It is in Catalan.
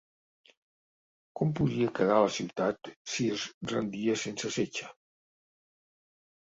Com podia quedar la ciutat si es rendia sense setge?